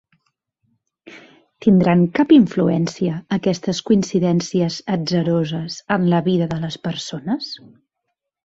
¿Tindran cap influència aquestes coincidències atzaroses en la vida de les persones?